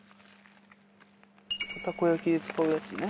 たこ焼きで使うやつね。